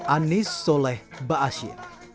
anis soleh baasyir